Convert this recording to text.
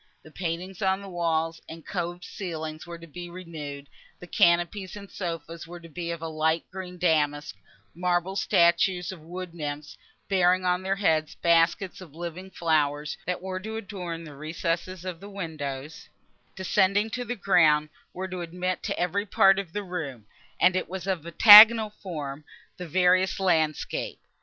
The paintings on the walls and coved ceiling were to be renewed, the canopies and sofas were to be of light green damask; marble statues of wood nymphs, bearing on their heads baskets of living flowers, were to adorn the recesses between the windows, which, descending to the ground, were to admit to every part of the room, and it was of octagonal form, the various landscape.